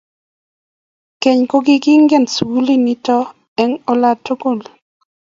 keny kogingine sugulit nito eng ola tugul